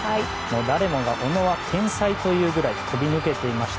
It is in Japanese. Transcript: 誰もが小野は天才というぐらい飛び抜けていました。